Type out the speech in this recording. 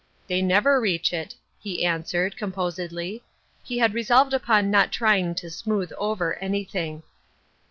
'' "They never reach it," he answered, com posedly. He had resolved upon not trying to smooth over anything.